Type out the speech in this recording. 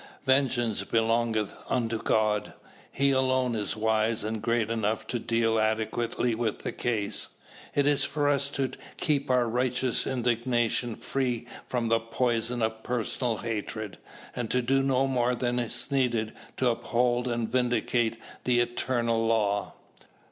Vengeance belongeth unto God. He alone is wise and great enough to deal adequately with the case. It is for us to keep our righteous indignation free from the poison of personal hatred, and to do no more than is needed to uphold and vindicate the eternal law.